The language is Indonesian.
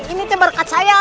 ini berkat saya